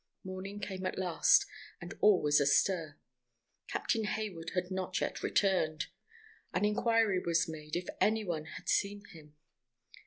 Morning came at last, and all was astir. Captain Hayward had not yet returned. The inquiry was made if any one had seen him.